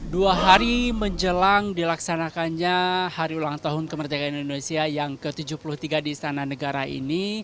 dua hari menjelang dilaksanakannya hari ulang tahun kemerdekaan indonesia yang ke tujuh puluh tiga di istana negara ini